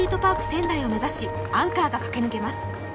仙台を目指しアンカーが駆け抜けます。